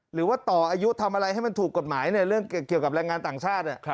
หรือว่าต่ออายุทำอะไรให้มันถูกกฎหมายในเรื่องเกี่ยวกับแรงงานต่างชาติ